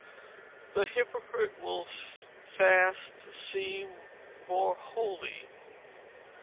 [THE HYPOCRITE WILL FAST SEEM MORE HOLY.